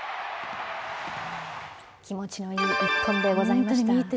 気持ちのいい一本でございました。